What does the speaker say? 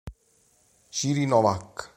Jiří Novák